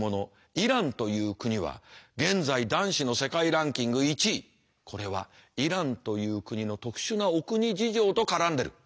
イランという国は現在男子の世界ランキング１位これはイランという国の特殊なお国事情と絡んでる。